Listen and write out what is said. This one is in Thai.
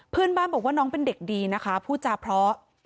เพื่อนบ้านบอกว่าน้องเป็นเด็กดีนะคะพูดจาเพราะ